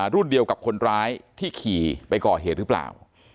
รุ่นเดียวกับคนร้ายที่ขี่ไปก่อเหตุหรือเปล่า